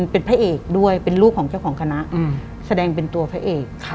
ตอนนี้เจ้าของนิเกนะค่ะ